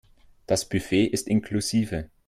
Das Buffet ist inklusive.